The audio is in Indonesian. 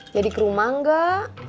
jadi ke rumah gak